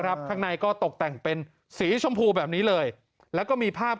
ข้างในก็ตกแต่งเป็นสีชมพูแบบนี้เลยแล้วก็มีภาพ